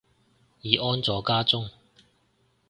已安坐家中